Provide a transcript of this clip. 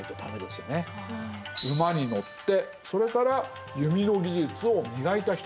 馬に乗ってそれから弓の技術を磨いた人